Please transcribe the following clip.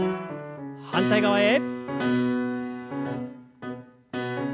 反対側へ。